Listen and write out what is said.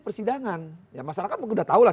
persidangan ya masyarakat mungkin udah tau lah